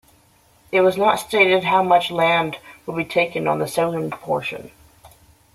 It was not stated how much land would be taken on the southern portion.